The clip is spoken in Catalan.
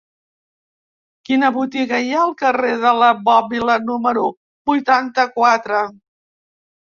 Quina botiga hi ha al carrer de la Bòbila número vuitanta-quatre?